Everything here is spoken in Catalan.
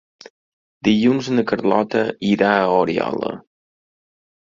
Dilluns na Carlota irà a Oriola.